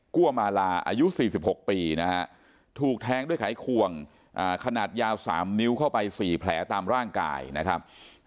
กลัวมาลาอายุ๔๖ปีนะฮะถูกแทงด้วยไขควงขนาดยาว๓นิ้วเข้าไป๔แผลตามร่างกายนะครับ